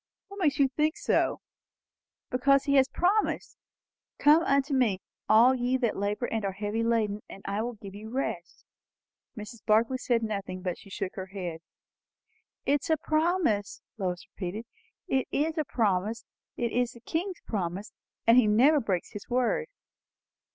"What makes you think so?" "Because he has promised. 'Come unto me, all ye that labour and are heavy laden, and I will give you rest.'" Mrs. Barclay said nothing, but she shook her head. "It is a promise," Lois repeated. "It is a PROMISE. It is the King's promise; and he never breaks his word."